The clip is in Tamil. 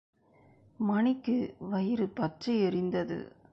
மணிக்கு வயிறு பற்றி எரிந்தது.